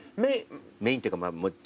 メインというか。